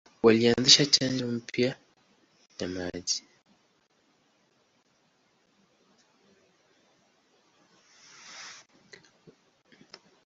Walianzisha chanzo mpya cha maji.